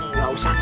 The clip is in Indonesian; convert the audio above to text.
enggak usah kang